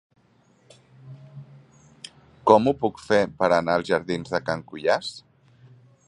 Com ho puc fer per anar als jardins de Can Cuiàs?